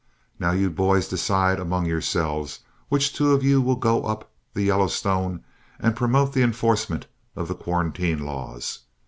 Now you boys decide among yourselves which two of you will go up the Yellowstone and promote the enforcement of the quarantine laws.